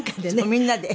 みんなで。